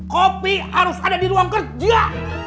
kopi harus ada di ruang kerja